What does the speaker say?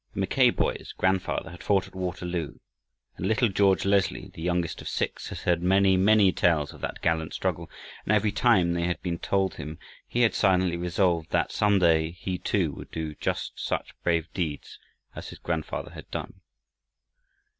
The Mackay boys' grandfather had fought at Waterloo, and little George Leslie, the youngest of six, had heard many, many tales of that gallant struggle, and every time they had been told him he had silently resolved that, some day, he too would do just such brave deeds as his grandfather had done.